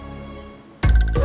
adalah sebuah kelab suatu kamar